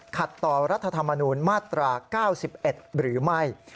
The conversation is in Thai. ขัดต่อรัฐธรรมนูญมาตรา๙๑หรือไม่